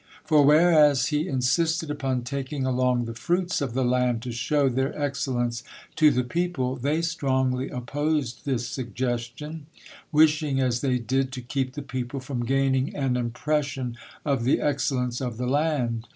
For whereas he insisted upon taking along the fruits of the land to show their excellence to the people, they strongly opposed this suggestion, wishing as they did to keep the people from gaining an impression of the excellence of the land.